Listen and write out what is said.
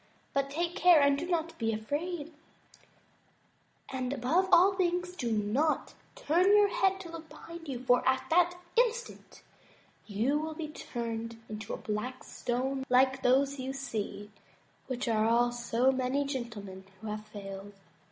But take care and be not afraid; and, above all things, do not turn your head to look behind you, for at that instant you will be turned into a black stone like those you see, which are all so many gentlemen who have failed.